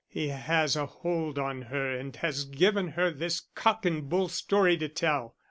He has a hold on her and has given her this cock and bull story to tell.